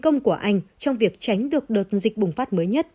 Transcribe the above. công của anh trong việc tránh được đợt dịch bùng phát mới nhất